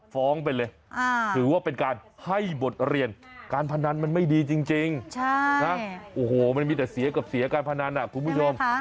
ฟ้องไปเลยถือว่าเป็นการให้บทเรียนการพนันมันไม่ดีจริงนะโอ้โหมันมีแต่เสียกับเสียการพนันคุณผู้ชม